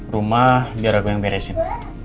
rumah biar aku yang beresin